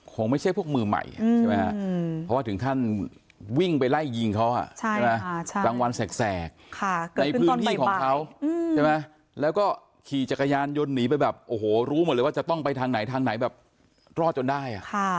คงไม่ใช่พวกมือใหม่ใช่ไหมฮะเพราะว่าถึงขั้นวิ่งไปไล่ยิงเขาใช่ไหมกลางวันแสกในพื้นที่ของเขาใช่ไหมแล้วก็ขี่จักรยานยนต์หนีไปแบบโอ้โหรู้หมดเลยว่าจะต้องไปทางไหนทางไหนแบบรอดจนได้